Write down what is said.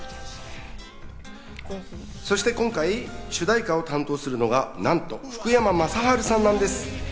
そして今回、主題歌を担当するのは、なんと福山雅治さんなんです。